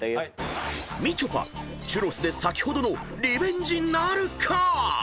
［みちょぱチュロスで先ほどのリベンジなるか⁉］